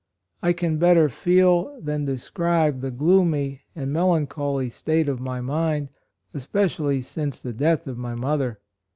I can better feel than describe the gloomy and melancholy state of my mind, es pecially since the death of my mother.